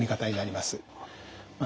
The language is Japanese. まあ